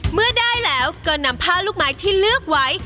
เมื่อได้แล้วก็นำผ้าลูกไม้ที่เลือกไว้